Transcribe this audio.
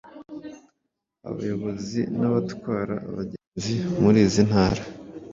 Abayobozi n’abatwara abagenzi muri izi ntara